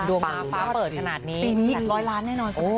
ดวงอิงฟ้าเปิดขนาดนี้ปีนี้๑๐๐ล้านแน่นอน